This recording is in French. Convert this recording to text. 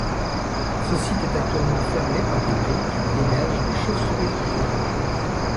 Ce site est actuellement fermé par des grilles car il héberge des chauve-souris protégées.